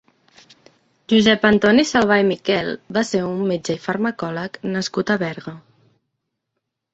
Josep Antoni Salvà i Miquel va ser un metge i farmacòleg nascut a Berga.